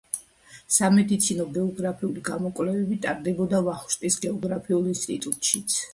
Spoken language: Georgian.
სამედიცინო-გეოგრაფიული გამოკვლევები ტარდებოდა ვახუშტის გეოგრაფიულ ინსტიტუტშიც.